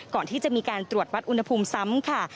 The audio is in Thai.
ก่อนที่จะมีการตรวจวัดอุณหภูมิซ้ำค่ะ